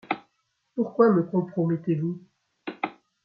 Pourquoi me compromettez-vous ?